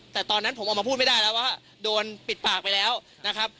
แต่ตอนนั้นผมออกมาพูดไม่ได้แล้วว่าโดนปิดปากไปแล้วนะครับ